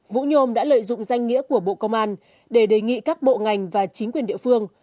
vũ nhôm đã lợi dụng danh nghĩa của bộ công an để đề nghị các bộ ngành và chính quyền địa phương